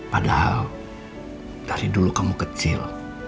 padahal dari dulu kamu kecil